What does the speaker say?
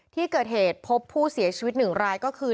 ที่เกิดเหตุพบผู้เสียชีวิตหนึ่งรายก็คือ